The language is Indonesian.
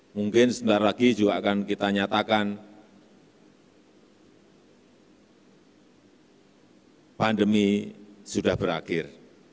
mungkin sebentar lagi juga akan kita nyatakan pandemi sudah berakhir